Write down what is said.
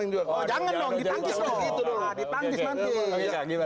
jangan kempeling juga